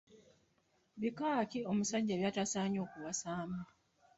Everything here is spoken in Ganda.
Bika ki omusajja by’atasanye kuwasaamu?.